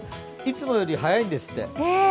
いつもより早いんですって。